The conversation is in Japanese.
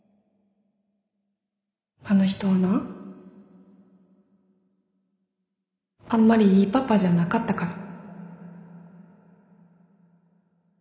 あの人はなあんまりいいパパじゃなかったから。